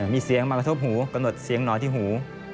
มีเสียงมากระทบหูกำหนดเสียงหนอนที่หู